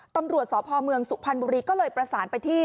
ตำรวจสพเมืองสุพรรณบุรีก็เลยประสานไปที่